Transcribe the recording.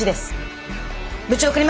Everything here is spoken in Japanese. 部長送りますね。